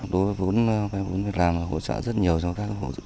tôi vay vốn việc làm hỗ trợ rất nhiều cho các hộ